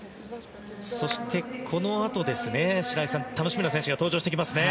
そして、このあと白井さん、楽しみな選手が登場してきますね。